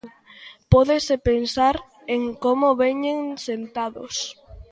Pódese pensar en como veñen sentados.